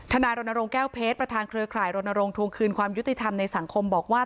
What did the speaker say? นายรณรงค์แก้วเพชรประธานเครือข่ายรณรงค์ทวงคืนความยุติธรรมในสังคมบอกว่า